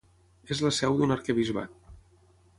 És la seu d'un arquebisbat.